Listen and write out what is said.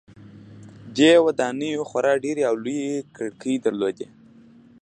دې ودانیو خورا ډیرې او لویې کړکۍ درلودې.